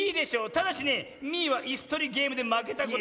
ただしねミーはいすとりゲームでまけたことがない。